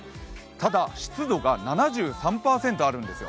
ただ、湿度が７３％あるんですよ。